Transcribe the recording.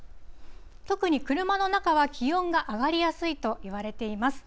特に車の中は気温が上がりやすいといわれています。